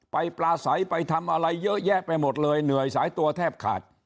ปลาใสไปทำอะไรเยอะแยะไปหมดเลยเหนื่อยสายตัวแทบขาด